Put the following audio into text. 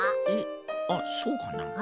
えっあっそうかな？